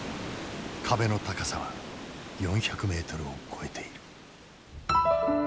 壁の高さは４００ｍを超えている。